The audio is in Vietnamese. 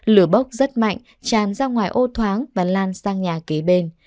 lửa bốc rất mạnh tràn ra ngoài ô thoáng và lan sang nhà kế bên